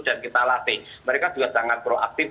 dan kita latih mereka juga sangat proaktif